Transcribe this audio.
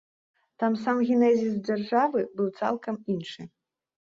Там сам генезіс дзяржавы быў цалкам іншы.